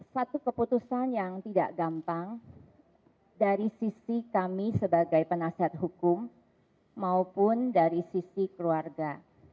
satu keputusan yang tidak gampang dari sisi kami sebagai penasihat hukum maupun dari sisi keluarga